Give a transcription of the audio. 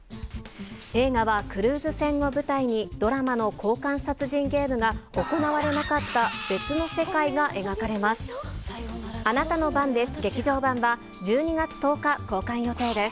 映画はクルーズ船を舞台に、ドラマの交換殺人ゲームが行われなかった別の世界が描かれます。